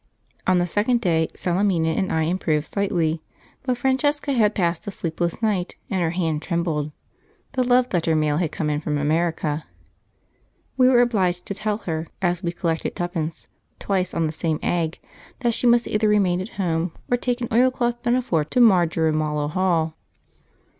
On the second day Salemina and I improved slightly, but Francesca had passed a sleepless night, and her hand trembled (the love letter mail had come in from America). We were obliged to tell her, as we collected 'tuppence' twice on the same egg, that she must either remain at home, or take an oilcloth pinafore to Marjorimallow Hall.